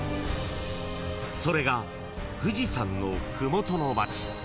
［それが富士山の麓の町